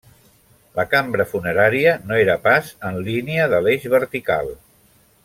La cambra funerària no era pas en línia de l'eix vertical.